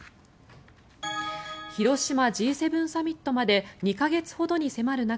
広島Ｇ７サミットまで２か月ほどに迫る中